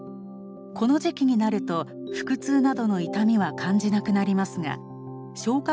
この時期になると腹痛などの痛みは感じなくなりますが消化